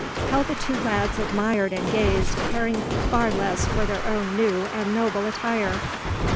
How the two lads admired and gazed, caring far less for their own new and noble attire!